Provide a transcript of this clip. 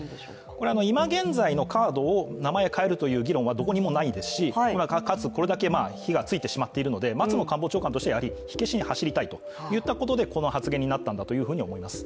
これは今現在のカードを名前を変えるという議論はどこにもないですし、これだけ火がついてしまっているので、松野官房長官としては火消しに回りたいということでこの発言になったんだというふうに思います。